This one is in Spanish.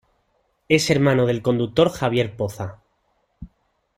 Es hermano del conductor Javier Poza.